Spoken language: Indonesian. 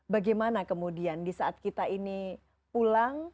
bagaimana kemudian di saat kita ini pulang